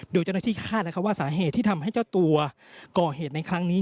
โดยเจ้าหน้าที่คาดว่าสาเหตุที่ทำให้เจ้าตัวก่อเหตุในครั้งนี้